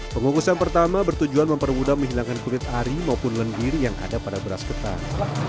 pengungkusan pertama bertujuan mempermudah menghilangkan kulit ari maupun lendir yang ada pada beras ketan